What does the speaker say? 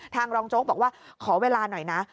รองโจ๊กบอกว่าขอเวลาหน่อยนะ